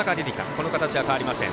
この形は変わりません。